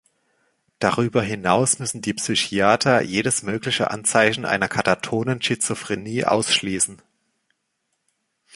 Darüber hinaus müssen die Psychiater jedes mögliche Anzeichen einer katatonen Schizophrenie ausschließen.